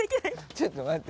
ちょっと待って。